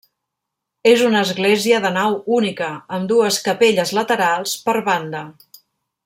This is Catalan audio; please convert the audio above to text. És una església de nau única amb dues capelles laterals per banda.